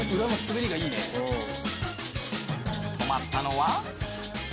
止まったのは。